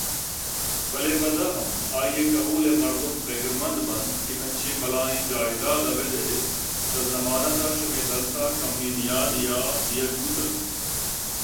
بلئے پدا ہم آئی ءِ کہول ءِ مردم پگر مند بنت کہ انچکیں بلاہیں جائیداِدا بیدئے چہ ضمانت ءَ شمئے دست ءَ کمیں نہادے ءَ دیگ بوتگ